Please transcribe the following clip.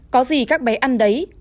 có gì các bé ăn đấy